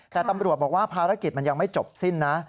แต่ตำรวจบอกว่าภารกิจมันยังไม่จบสิ้นนะ